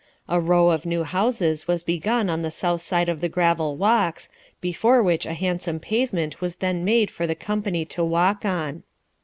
A row of new houses was begun on the south side of the gravel walks, before which a handsome pavement was then made for the company to walk on.